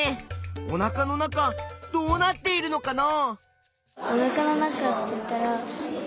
おなかの中どうなっているのかな？